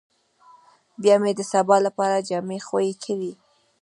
بيا مې د سبا لپاره جامې خويې کړې.